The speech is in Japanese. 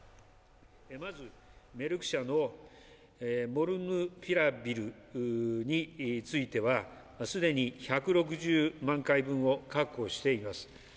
まずメルク社のモルヌピラビルについては、既に１６０万回分を確保しています。